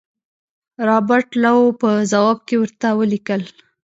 رابرټ لو په ځواب کې ورته ولیکل.